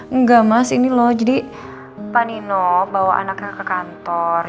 enggak mas ini loh jadi pak nino bawa anaknya ke kantor